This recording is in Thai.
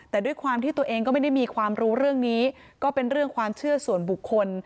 แต่ด้วยความที่ตัวเองก็ไม่ได้มีความรู้เรื่องนี้ก็เป็นเรื่องความเชื่อส่วนบุคคล